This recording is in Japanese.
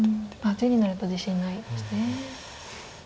地になると自信ないんですね。